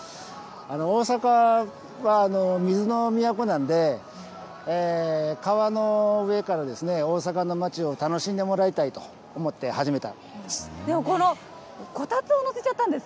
大阪は、水の都なんで、川の上から大阪の街を楽しんでもらいたいと思って始めたんです。